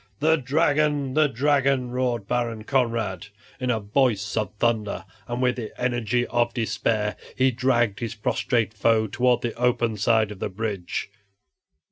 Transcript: "The dragon! the dragon!" roared Baron Conrad, in a voice of thunder, and with the energy of despair he dragged his prostrate foe toward the open side of the bridge.